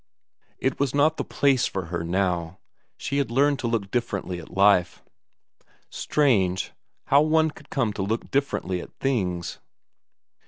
It was not the place for her now; she had learned to look differently at life. Strange, how one could come to look differently at things!